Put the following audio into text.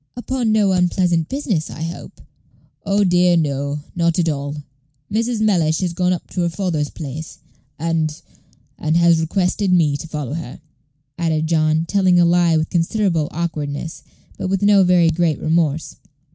"Upon no unpleasant business, I hope?" "Oh, dear, no; not at all. Mrs. Mellish has gone up to her father's place, and and has requested me to follow her," added John, telling a lie with considerable awkwardness, but with no very great remorse.